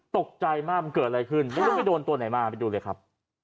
ตกใจมากมันเกิดอะไรขึ้นไม่รู้ไปโดนตัวไหนมาไปดูเลยครับ